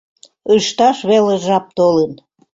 Ышташ веле жап толын!